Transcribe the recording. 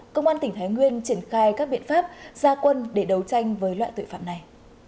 công an tỉnh thái nguyên triển khai các biện pháp gia quân để đấu tranh với loại tội phạm này